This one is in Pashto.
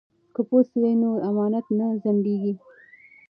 که پوست وي نو امانت نه ځنډیږي.